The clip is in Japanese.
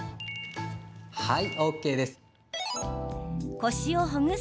はい、ＯＫです。